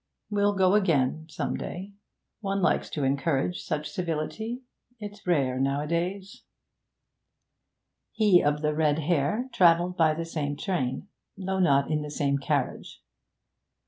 We'll go again some day. One likes to encourage such civility; it's rare nowadays.' He of the red hair travelled by the same train, though not in the same carriage.